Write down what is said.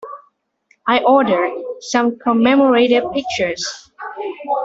I ordered some commemorative pictures.